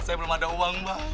saya belum ada uang mbak